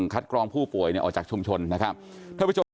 คัดกรองเชิงล